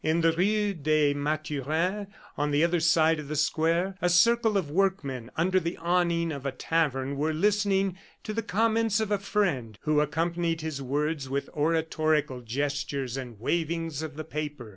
In the rue des Mathurins, on the other side of the square, a circle of workmen under the awning of a tavern were listening to the comments of a friend who accompanied his words with oratorical gestures and wavings of the paper.